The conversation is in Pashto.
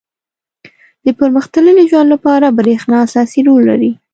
• د پرمختللي ژوند لپاره برېښنا اساسي رول لري.